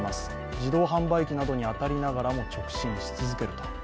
自動販売機などに当たりながらも直進し続けると。